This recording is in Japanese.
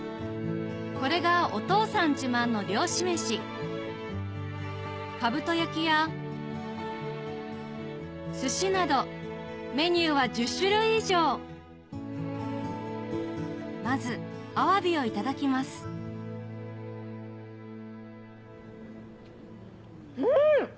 これがお父さん自慢の漁師飯などメニューは１０種類以上まずアワビをいただきますん！